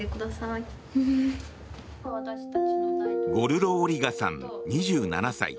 ゴルロ・オリガさん、２７歳。